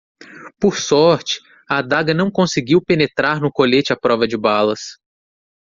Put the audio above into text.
Por sorte, a adaga não conseguiu penetrar no colete à prova de balas.